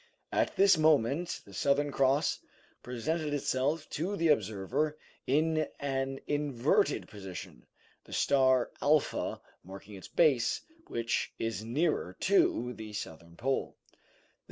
At this moment the Southern Cross presented itself to the observer in an inverted position, the star Alpha marking its base, which is nearer to the southern pole.